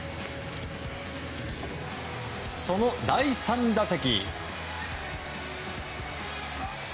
その第３打席。